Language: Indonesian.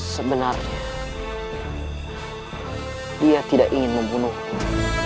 sebenarnya dia tidak ingin membunuhnya